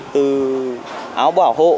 từ áo bảo hộ